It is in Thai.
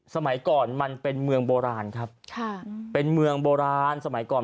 สมัยก่อนมันเป็นเมืองโบราณครับค่ะเป็นเมืองโบราณสมัยก่อน